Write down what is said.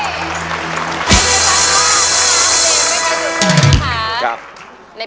เพลงไม่ใช้กันเลยนะคะ